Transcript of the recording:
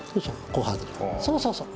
そうそうそう。